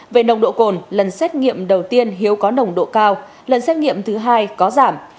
về nồng độ cồn lần xét nghiệm đầu tiên hiếu có nồng độ cao lần xét nghiệm thứ hai có giảm